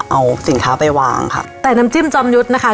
เอาสินค้าไปวางค่ะแต่น้ำจิ้มจอมยุทธ์นะคะ